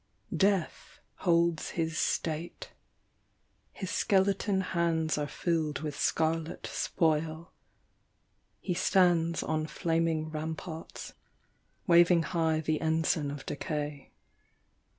Death holds his state : Ihs skeleton hands ;irr filled with starlet spoil: He stands on flaming ramparts, waving high The ensign of decay.